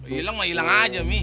ilang mah ilang aja mih